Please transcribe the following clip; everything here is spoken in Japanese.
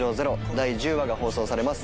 第１０話が放送されます。